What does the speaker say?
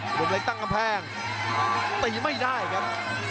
วงเล็กตั้งกำแพงตีไม่ได้ครับ